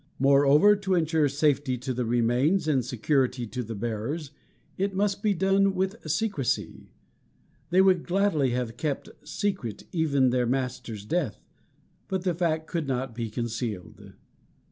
Moreover, to insure safety to the remains and security to the bearers, it must be done with secrecy. They would gladly have kept secret even their master's death, but the fact could not be concealed.